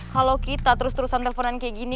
kalau kita terus terusan teleponan kayak gini